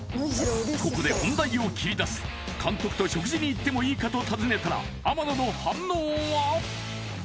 ここで本題を切り出す監督と食事に行ってもいいかと尋ねたら天野の反応は？